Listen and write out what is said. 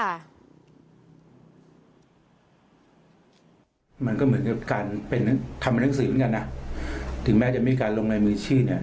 มันก็เหมือนกับการเป็นทำหนังสือเหมือนกันอ่ะถึงแม้จะมีการลงลายมือชื่อเนี่ย